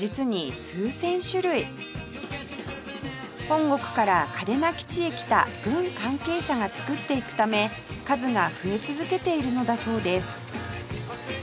本国から嘉手納基地へ来た軍関係者が作っていくため数が増え続けているのだそうです